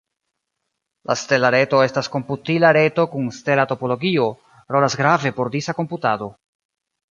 La stela reto estas komputila reto kun stela topologio, rolas grave por disa komputado.